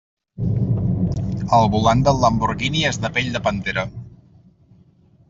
El volant del Lamborghini és de pell de pantera.